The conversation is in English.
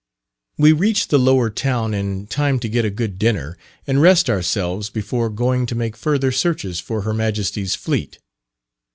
We reached the lower town in time to get a good dinner, and rest ourselves before going to make further searches for Her Majesty's fleet.